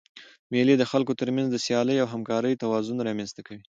مېلې د خلکو تر منځ د سیالۍ او همکارۍ توازن رامنځ ته کوي.